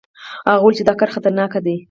هغه ویل چې دا کار خطرناک دی.